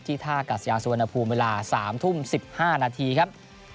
ท่ากัศยานสุวรรณภูมิเวลา๓ทุ่ม๑๕นาทีครับ